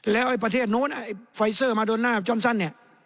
แล้วไอ้ประเทศนู้นไอ้ไฟเซอร์มาโดนน่าจรส่านนี่